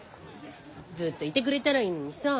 ずっといてくれたらいいのにさ。